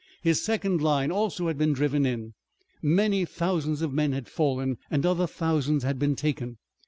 His second line also had been driven in. Many thousands of men had fallen and other thousands had been taken.